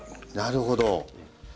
なるほど。